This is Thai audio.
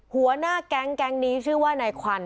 หัวหน้าแก๊งแก๊งนี้ชื่อว่านายควัน